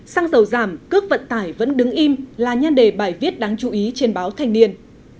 xăng dầu giảm cước vận tải vẫn đứng im là nhan đề bài viết đáng chú ý trên báo thanh niên